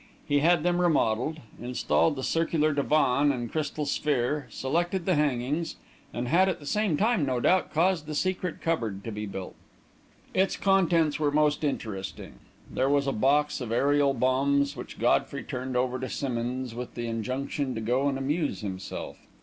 He had them remodelled, installed the circular divan and crystal sphere, selected the hangings, and had at the same time, no doubt, caused the secret cupboard to be built. Its contents were most interesting. There was a box of aerial bombs, which Godfrey turned over to Simmonds with the injunction to go and amuse himself.